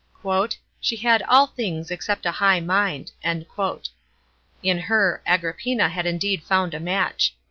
"She had all things except a high rnind."* In her, Agrippina had indeed found a mated.